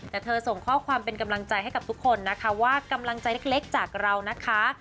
แต่เธอส่งข้อความเป็นกำลังใจให้กับทุกคนนะคะว่ากำลังใจเล็กจากเรานะคะ